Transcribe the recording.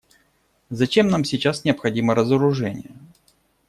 Зачем нам сейчас необходимо разоружение?